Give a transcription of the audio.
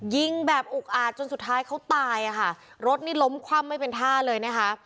ยิงแบบอุกอาจจนสุดท้ายเขาตายอ่ะค่ะรถนี่ล้มคว่ำไม่เป็นท่าเลยนะคะ